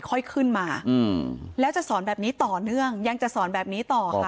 ค่อยขึ้นมาแล้วจะสอนแบบนี้ต่อเนื่องยังจะสอนแบบนี้ต่อค่ะ